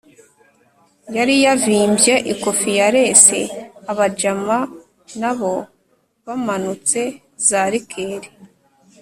yari yavimbye ikofi yarese, abajama nabo bamanutse za likeri